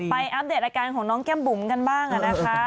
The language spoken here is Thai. อัปเดตอาการของน้องแก้มบุ๋มกันบ้างนะคะ